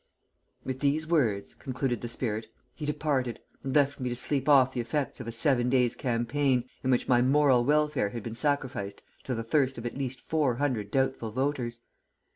"With these words," concluded the spirit, "he departed, and left me to sleep off the effects of a seven days' campaign in which my moral welfare had been sacrificed to the thirst of at least four hundred doubtful voters.